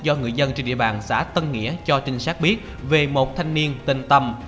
do người dân trên địa bàn xã tân nghĩa cho trinh sát biết về một thanh niên tên tâm